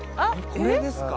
これですか？